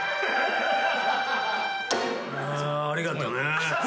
ありがとね。